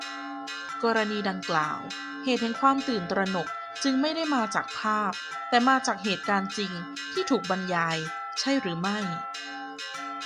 กรณีดังกล่าว เหตุแห่งความตื่นตระหนกจึงไม่ได้มาจากภาพ แต่มาจากเหตุการณ์จริงที่ถูกบรรยาย ใช่หรือไม่